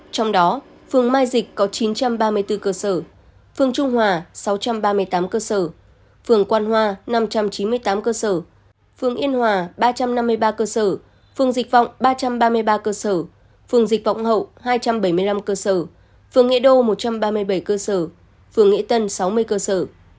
trong đó phường mai dịch có chín trăm ba mươi bốn cơ sở phường trung hòa sáu trăm ba mươi tám cơ sở phường quăn hoa năm trăm chín mươi tám cơ sở phường yên hòa ba trăm năm mươi ba cơ sở phường dịch vọng ba trăm ba mươi ba cơ sở phường dịch vọng hậu hai trăm bảy mươi năm cơ sở phường nghệ đô một trăm ba mươi bảy cơ sở phường nghệ tân sáu mươi cơ sở